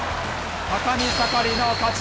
高見盛の勝ち。